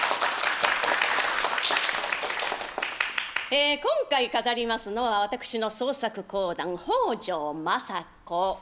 ええ今回語りますのは私の創作講談「北条政子」。